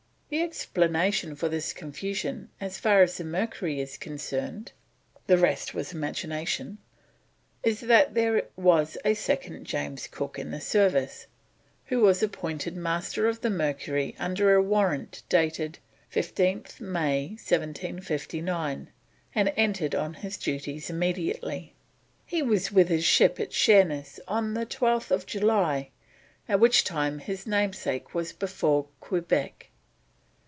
The explanation of this confusion as far as the Mercury is concerned (the rest was imagination) is that there was a second James Cook in the service, who was appointed Master of the Mercury under a warrant dated 15th May 1759 and entered on his duties immediately. He was with his ship at Sheerness on 12th July, at which time his namesake was before Quebec.